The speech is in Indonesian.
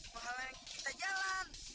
menghalangi kita jalan